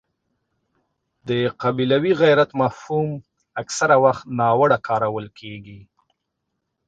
د قبیلوي غیرت مفهوم اکثره وخت ناوړه کارول کېږي.